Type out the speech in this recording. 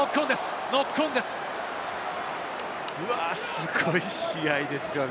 すごい試合ですよね。